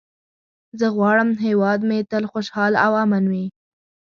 زه غواړم هېواد مې تل خوشحال او امن وي.